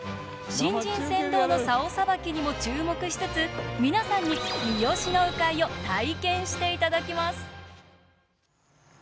新人船頭のサオさばきにも注目しつつ皆さんに、三次の鵜飼を体験していただきます。